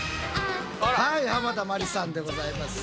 はい濱田マリさんでございます。